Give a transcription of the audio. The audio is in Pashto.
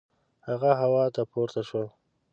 هغه هوا ته پورته شو.